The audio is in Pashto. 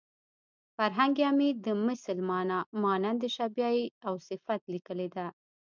فرهنګ عمید د مثل مانا مانند شبیه او صفت لیکلې ده